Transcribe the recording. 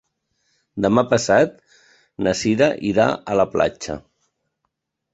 Demà passat na Sira irà a la platja.